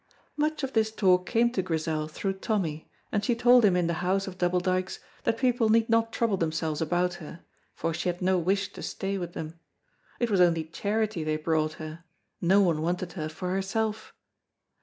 Much of this talk came to Grizel through Tommy, and she told him in the house of Double Dykes that people need not trouble themselves about her, for she had no wish to stay with them. It was only charity they brought her; no one wanted her for herself.